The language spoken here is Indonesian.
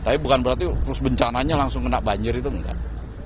tapi bukan berarti terus bencananya langsung kena banjir itu enggak